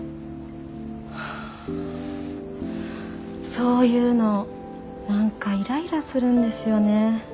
そういうの何かイライラするんですよね。